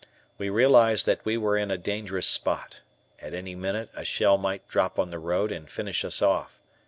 We realized that we were in a dangerous spot. At any minute a shell might drop on the road and finish us off.